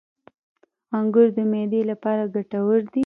• انګور د معدې لپاره ګټور دي.